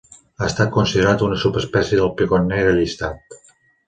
Ha estat considerat una subespècie del picot negre llistat.